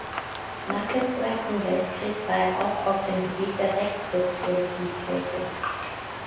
Nach dem Zweiten Weltkrieg war er auch auf dem Gebiet der Rechtssoziologie tätig.